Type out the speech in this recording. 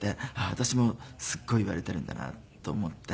私もすっごい言われているんだなと思って。